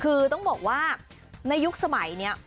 คือต้องบอกว่าในยุคสมัยนี้